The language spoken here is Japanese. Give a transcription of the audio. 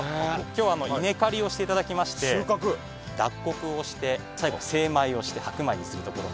今日は稲刈りをしていただきまして脱穀をして最後精米をして白米にするところまでを。